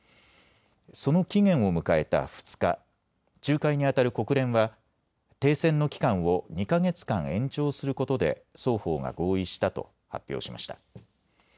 その期限を迎えた２日、仲介にあたる国連は停戦の期間を２か月間延長することで双方が合意したと発表しました。